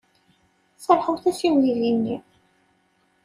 Serrḥet-as i uydi-nni.